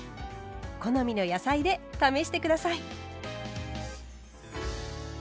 好みの野菜で試して下さい。